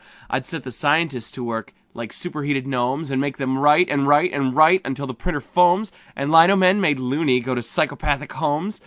I'd set the scientists to work like superheated gnomes, And make them write and write and write until the printer foams And lino men, made "loony", go to psychopathic homes.